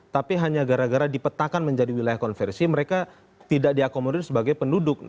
tapi hanya gara gara dipetakan menjadi wilayah konversi mereka tidak diakomodir sebagai penduduk